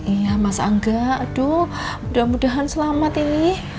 iya mas angga aduh mudah mudahan selamat ini